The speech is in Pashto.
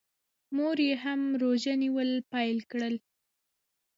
مور یې هم روژه نیول پیل کړل.